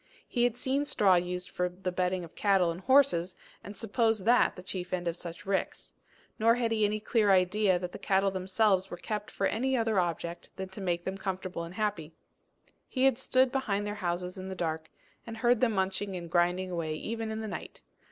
He had seen straw used for the bedding of cattle and horses, and supposed that the chief end of such ricks. Nor had he any clear idea that the cattle themselves were kept for any other object than to make them comfortable and happy. He had stood behind their houses in the dark, and heard them munching and grinding away even in the night.